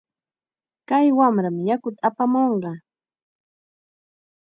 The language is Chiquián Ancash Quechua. Kay wamram yakuta apamunqa.